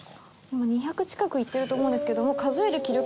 もう２００近くいってると思うんですけど。